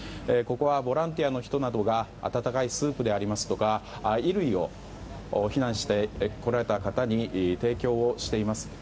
ここはボランティアの人などが温かいスープでありますとか衣類を避難してこられた方に提供しています。